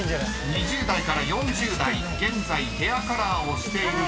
［２０代から４０代現在ヘアカラーをしている人］